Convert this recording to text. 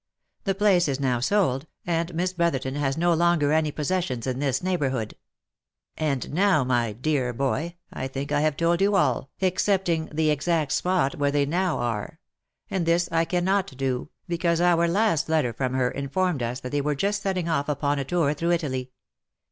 The place is now sold, and Miss Brotherton has no longer any possessions in this neighbourhood. And now my dear boy, I think I have told you all, excepting the exact spot where they now are ; and this I cannot do, because our last letter from her informed us that they were just setting off upon a tour through Italy.